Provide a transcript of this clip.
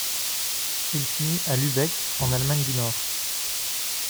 Il finit à Lübeck, en Allemagne du Nord.